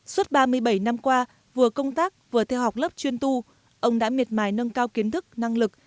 suốt ba mươi bảy năm qua vừa công tác vừa theo học lớp chuyên tu ông đã miệt mài nâng cao kiến thức năng lực